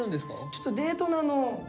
ちょっとデートなの。